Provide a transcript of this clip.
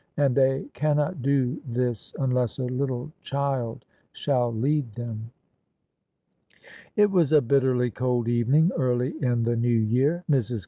And they cannot do this unless a little child shall lead them. It was a bitterly cold evening early in the new year. Mrs.